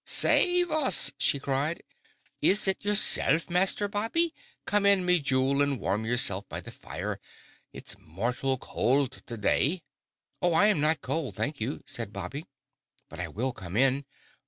"Save us!" she cried, "is it yersilf, Master Bobby? Come in, me jewel, and warm yersilf by the fire! It's mortal cowld the day." "Oh, I'm not cold, thank you!" said Bobby. "But I will come in.